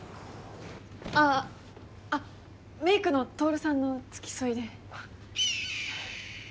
あああっメークの透さんの付き添いで。